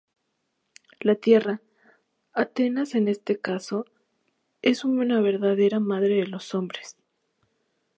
La tierra, Atenas en este caso, es una verdadera madre de los hombres.